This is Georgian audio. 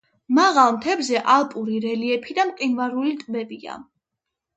მაღალ მთებზე ალპური რელიეფი და მყინვარული ტბებია.